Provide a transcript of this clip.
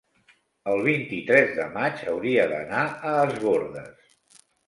el vint-i-tres de maig hauria d'anar a Es Bòrdes.